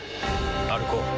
歩こう。